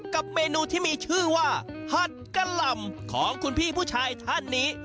กับเมนูที่มีชื่อว่าผัดกะหล่ำของคุณพี่ผู้ชายท่านนี้